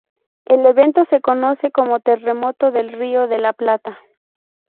El evento se conoce como terremoto del Río de la Plata.